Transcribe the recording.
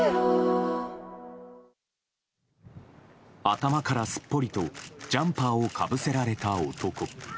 頭からすっぽりとジャンパーをかぶせられた男。